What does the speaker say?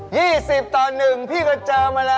ี่สิบต่อหนึ่งพี่ก็เจอมาแล้ว